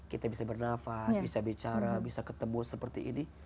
kita bisa bernafas bisa bicara bisa ketemu seperti ini